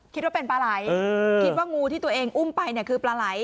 คิดว่าเป็นปลาไหลคิดว่างูที่ตัวเองอุ้มไปเนี่ยคือปลาไหล